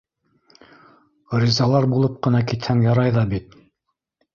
Ризалар булып ҡына китһәң ярай ҙа бит...